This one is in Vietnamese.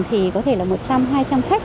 thì có thể là một trăm linh hai trăm linh khách